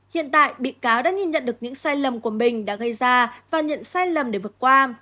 hiện tại bị cáo đã nhìn nhận được những sai lầm của mình đã gây ra và nhận sai lầm để vượt qua